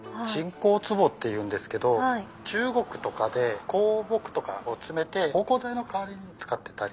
香壺っていうんですけど中国とかで香木とかを詰めて芳香剤の代わりに使ってたり。